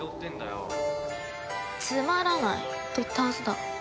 つまらないと言ったはずだ。